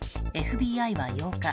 ＦＢＩは８日